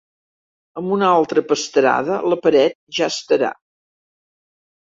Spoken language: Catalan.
Amb una altra pasterada la paret ja estarà.